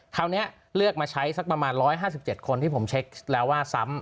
คราวนี้เลือกมาใช้สักประมาณ๑๕๗คนที่ผมเช็คแล้วว่าซ้ำ